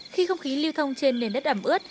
khi không khí lưu thông trên nền đất ảm ướt